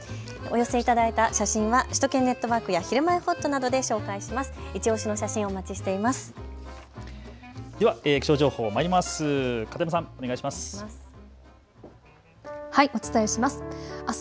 お寄せいただいた写真は首都圏ネットワークやひるまえほっとなどで紹介します